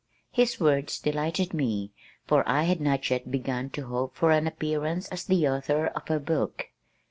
His words delighted me for I had not yet begun to hope for an appearance as the author of a book.